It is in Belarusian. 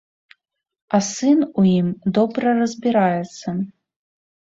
А сын у ім добра разбіраецца.